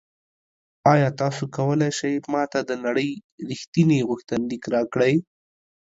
ایا تاسو کولی شئ ما ته د نړۍ ریښتیني غوښتنلیک راکړئ؟